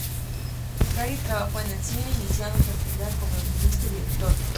Gary trabajó en el cine, iniciando su actividad como guionista y director.